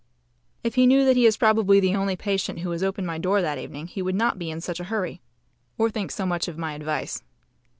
If he knew that he is probably the only patient who has opened my door that evening he would not be in such a hurry or think so much of my advice.